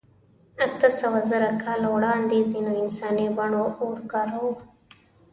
اتهسوهزره کاله وړاندې ځینو انساني بڼو اور کاراوه.